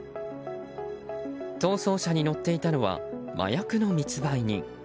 逃走車に乗っていたのは麻薬の密売人。